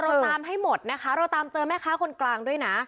เราตามให้หมดนะคะเราตามเจอแม่ค้าคนกลางด้วยนะ